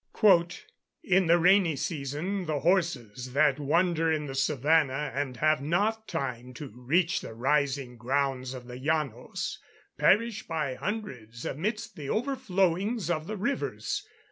"In the rainy season, the horses that wander in the savannah, and have not time to reach the rising grounds of the Llanos, perish by hundreds amidst the overflowings of the rivers.